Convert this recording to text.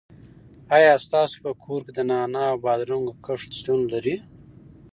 آیا ستاسو په کور کې د نعناع او بادرنګو کښت شتون لري؟